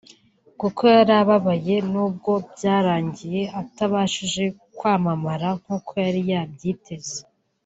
kuko yari ababaye n’ubwo byarangiye atabashije kwamamara nk’uko yari abyiteze